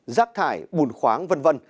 rác thải bùn khoáng v v